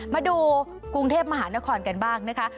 มาดูกรุงเทพมหานครกันบ้างนะคะ